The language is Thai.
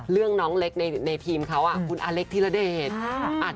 น้องเล็กในทีมเขาคุณอาเล็กธิระเดช